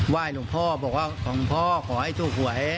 ไหว้นูกพ่อบอกว่าของพ่อขอให้สู่หัว